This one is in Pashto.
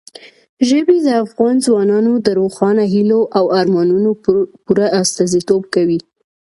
ژبې د افغان ځوانانو د روښانه هیلو او ارمانونو پوره استازیتوب کوي.